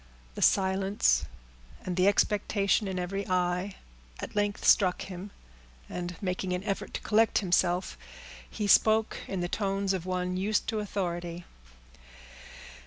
The silence, and the expectation in every eye, at length struck him, and making an effort to collect himself, he spoke, in the tones of one used to authority.